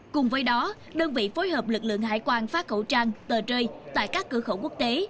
cùng với đó đơn vị phối hợp lực lượng hải quan phát khẩu trang tờ rơi tại các cửa khẩu quốc tế